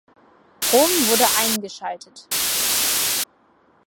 Rom wurde eingeschaltet.